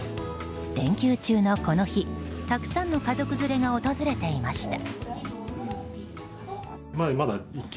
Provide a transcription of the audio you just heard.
連休中の、この日たくさんの家族連れが訪れていました。